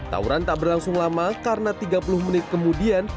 tawuran tak berlangsung lama karena tiga puluh menit kemudian